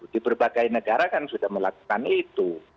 di berbagai negara kan sudah melakukan itu